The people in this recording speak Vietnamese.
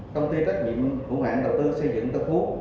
công ty trách nhiệm hữu hạn đầu tư xây dựng tân phú